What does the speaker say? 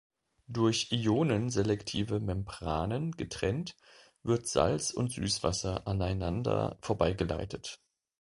Durch Ionen-selektive Membranen getrennt wird Salz- und Süßwasser aneinander vorbei geleitet.